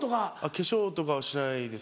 化粧とかはしないです。